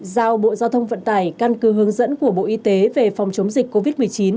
giao bộ giao thông vận tải căn cứ hướng dẫn của bộ y tế về phòng chống dịch covid một mươi chín